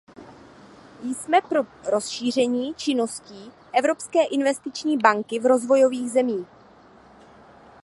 Jsme pro rozšíření činností Evropské investiční banky v rozvojových zemích.